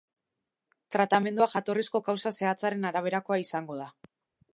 Tratamendua jatorrizko kausa zehatzaren araberakoa izango da.